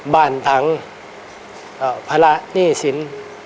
บ้านทั้งภาระหนี้ชิ้น